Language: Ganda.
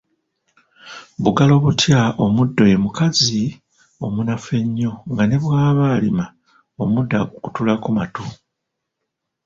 Bugalo butya omuddo ye mukazi omunafu ennyo, nga ne bw'aba alima omuddo agukutulako matu.